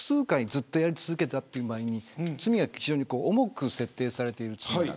ずっとやり続けたという場合に罪が重く設定されています。